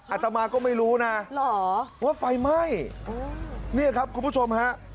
อาตมาก็ไม่รู้นะว่าไฟไหม้เนี่ยครับคุณผู้ชมฮะ